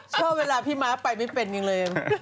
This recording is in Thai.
ชอบเวลาพี่มาร์ทไปไม่เป็นอย่างเลย